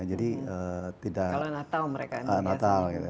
kalau natal mereka